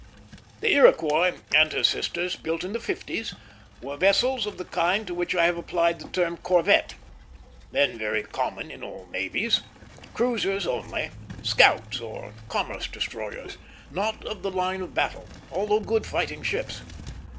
The Iroquois and her sisters, built in the fifties, were vessels of the kind to which I have applied the term corvette, then very common in all navies; cruisers only; scouts, or commerce destroyers. Not of the line of battle, although good fighting ships.